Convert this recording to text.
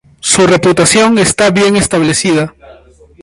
Su reputación está bien establecida.